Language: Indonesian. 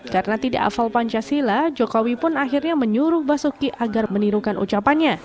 karena tidak hafal pancasila jokowi pun akhirnya menyuruh basuki agar menirukan ucapannya